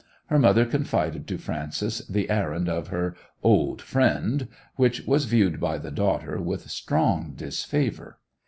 Her mother confided to Frances the errand of 'her old friend,' which was viewed by the daughter with strong disfavour.